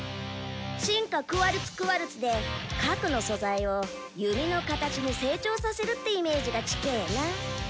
「進化」「クワルツ・クワルツ」で核の素材を「弓の形に成長させる」ってイメージが近えな。